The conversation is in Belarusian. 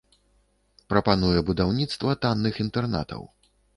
Прапануе будаўніцтва танных інтэрнатаў.